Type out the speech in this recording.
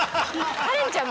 カレンちゃん